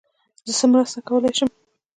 زه څه مرسته کولای سم.